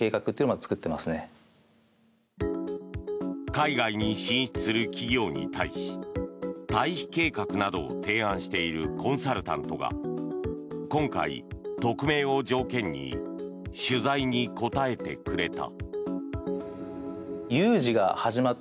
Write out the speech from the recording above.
海外に進出する企業に対し退避計画などを提案しているコンサルタントが今回、匿名を条件に取材に答えてくれた。